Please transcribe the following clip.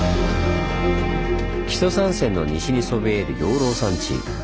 木曽三川の西にそびえる養老山地。